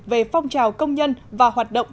về phong trào công nhân và hoạt động